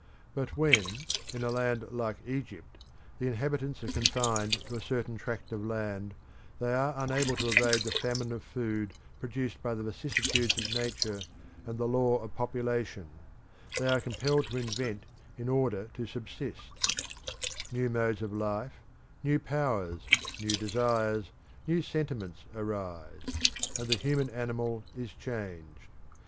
But when, in a land like Egypt, the inhabitants are confined to a certain tract of land they are unable to evade the famine of food produced by the vicissitudes of nature and the law of population; they are compelled to invent in order to subsist; new modes of life, new powers, new desires, new sentiments arise; and the human animal is changed.